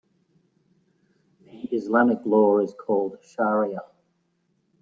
The Islamic law is called shariah.